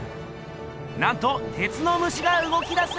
なんと鉄のムシがうごきだす！